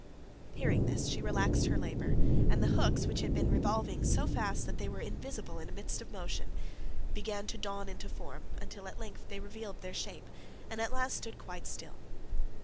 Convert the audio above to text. Hearing this, she relaxed her labour, and the hooks which had been revolving so fast that they were invisible in a mist of motion, began to dawn into form, until at length they revealed their shape, and at last stood quite still.